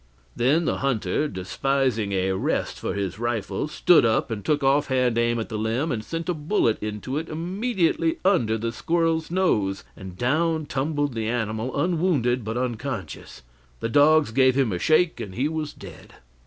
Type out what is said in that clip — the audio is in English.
Then the hunter, despising a "rest" for his rifle, stood up and took offhand aim at the limb and sent a bullet into it immediately under the squirrel's nose, and down tumbled the animal, unwounded, but unconscious; the dogs gave him a shake and he was dead.